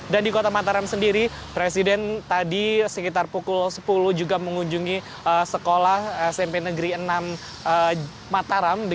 dan di kota mataram sendiri presiden tadi sekitar pukul sepuluh juga mengunjungi sekolah smp negeri enam mataram